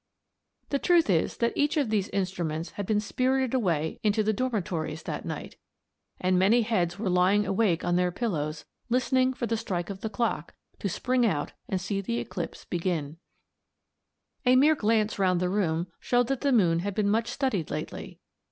The truth is that each of these instruments had been spirited away into the dormitories that night, and many heads were lying awake on their pillows, listening for the strike of the clock to spring out and see the eclipse begin. [Illustration: Fig. 1. A boy illustrating the phases of the moon.] A mere glance round the room showed that the moon had been much studied lately.